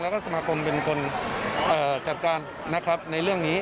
แล้วก็สมากรมเป็นคนจัดการในเรื่องนี้